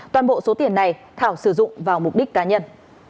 toàn bộ số tiền này thảo sử dụng vào mục đích cá nhân